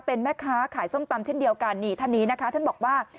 เป็นแม่ค้าขายส้มตำเช่นเดียวกันนี่ท่านนี้นะคะท่านบอกว่า